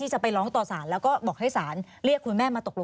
ยังไงครับ